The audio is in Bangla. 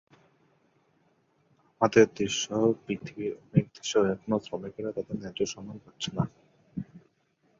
আমাদের দেশসহ পৃথিবীর অনেক দেশেও এখনো শ্রমিকেরা তাদের ন্যায্য সম্মান পাচ্ছে না।